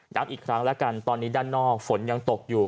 อีกครั้งแล้วกันตอนนี้ด้านนอกฝนยังตกอยู่